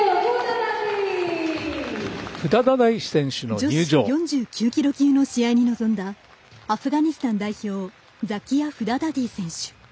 女子４９キロ級の試合に臨んだアフガニスタン代表ザキア・フダダディ選手。